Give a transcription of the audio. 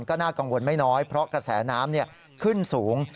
ก็น่ากังวลไม่น้อยเพราะกระแสน้ำขึ้นสูง